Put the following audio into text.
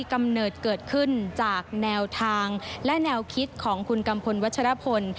กำเนิดเกิดขึ้นจากแนวทางและแนวคิดของคุณกัมพลวัชรพล